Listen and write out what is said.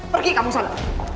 pergi kamu sana